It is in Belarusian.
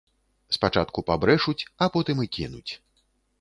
Спачатку пабрэшуць, а потым і кінуць.